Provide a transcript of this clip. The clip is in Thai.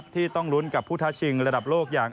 ที่ต้องลุ้นกับผู้ท้าชิงระดับโลกอย่าง